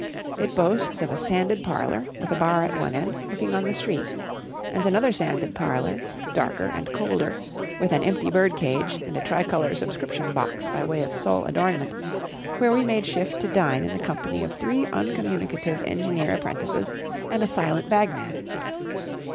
It boasts of a sanded parlour, with a bar at one end, looking on the street; and another sanded parlour, darker and colder, with an empty bird cage and a tricolour subscription box by way of sole adornment, where we made shift to dine in the company of three uncommunicative engineer apprentices and a silent bagman.